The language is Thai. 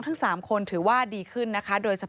พบหน้าลูกแบบเป็นร่างไร้วิญญาณ